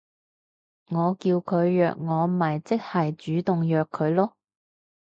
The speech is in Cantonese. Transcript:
我叫佢約我咪即係主動約佢囉